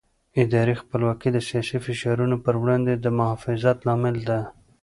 اداري خپلواکي د سیاسي فشارونو پر وړاندې د محافظت لامل ده